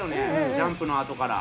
ジャンプのあとから。